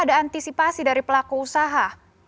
ada antisipasi dari pelaku usaha